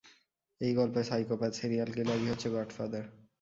এই গল্পে psychopath serial কিলারই হচ্ছে গডফাদার।